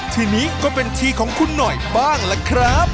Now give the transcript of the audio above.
ทีนี้ก็เป็นทีของคุณหน่อยบ้างล่ะครับ